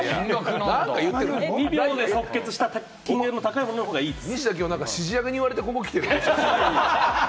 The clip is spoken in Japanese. ２秒で即決した金額が高いものの方がいいです。